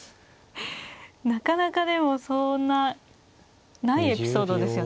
なかなかでもそんなないエピソードですよね。